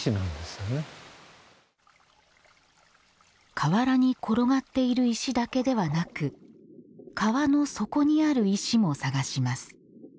河原に転がっている石だけではなく川の底にある石も探します。